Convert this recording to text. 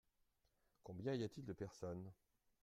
Combien y a-t-il de personnes ?